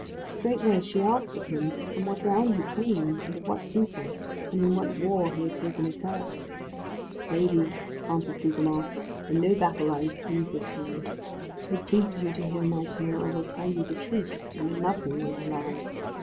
Straightway she asked of him from what realm he came, and of what people, and in what war he had taken his hurt. "Lady," answered Gugemar, "in no battle I received this wound. If it pleases you to hear my tale I will tell you the truth, and in nothing will I lie.